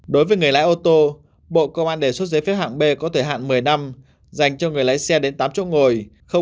đối với người lái ô tô bộ công an đề xuất giấy phép hạng b có thời hạn một mươi năm dành cho người lái xe đến tám chỗ ngồi